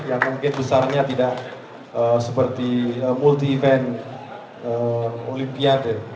yang mungkin besarnya tidak seperti multi event olimpiade